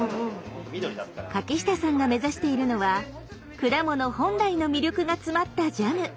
柿下さんが目指しているのは果物本来の魅力が詰まったジャム。